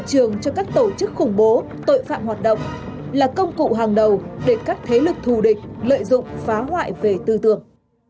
trường cho các tổ chức khủng bố tội phạm hoạt động là công cụ hàng đầu để các thế lực thù địch lợi dụng phá hoại về tư tưởng